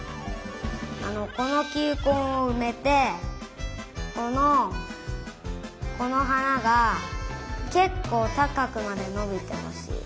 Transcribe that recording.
このきゅうこんをうめてこのこのはながけっこうたかくまでのびてほしい。